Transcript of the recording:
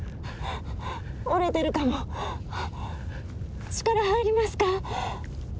折れてるかも力入りますか？